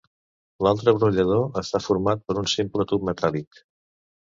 L'altre brollador està format per un simple tub metàl·lic.